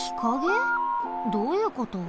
どういうこと？